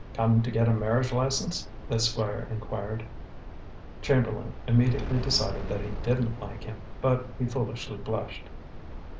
"Come to get a marriage license?" the squire inquired. Chamberlain immediately decided that he didn't like him, but he foolishly blushed.